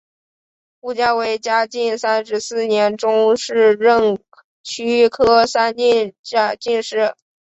胡价为嘉靖三十四年中式壬戌科三甲进士。